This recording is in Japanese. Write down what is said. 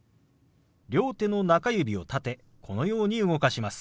両手の中指を立てこのように動かします。